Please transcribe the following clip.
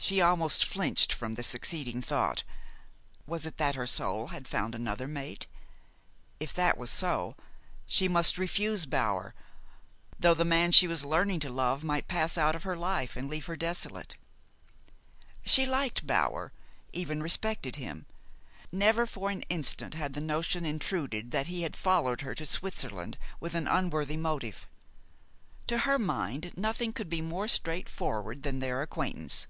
She almost flinched from the succeeding thought, was it that her soul had found another mate? If that was so, she must refuse Bower, though the man she was learning to love might pass out of her life and leave her desolate. She liked Bower, even respected him. Never for an instant had the notion intruded that he had followed her to Switzerland with an unworthy motive. To her mind, nothing could be more straightforward than their acquaintance.